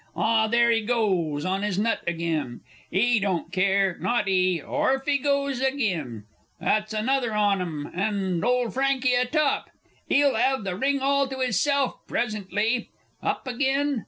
Ah, there he goes on his nut agen! 'E don't care, not 'e!... Orf he goes agin!... That's another on 'em down, and ole Franky atop 'e'll 'ave the ring all to 'isself presently! Up agin!